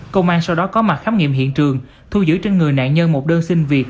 công an sau đó có mặt khám nghiệm hiện trường thu giữ trên người nạn nhân một đơn xin việc